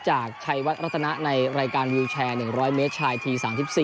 จากชัยวัดรัตนะในรายการวิวแชร์๑๐๐เมตรชายที๓๔